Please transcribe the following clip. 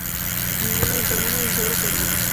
Ninguna de sus obras sobrevive.